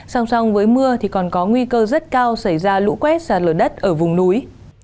song song với mưa thì còn có nguy cơ rất cao xảy ra lũ quét sạt lở đất ở vùng núi